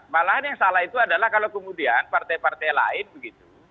malahan yang salah itu adalah kalau kemudian partai partai lain begitu